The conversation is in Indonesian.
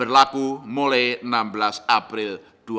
berlaku mulai enam belas april dua ribu dua puluh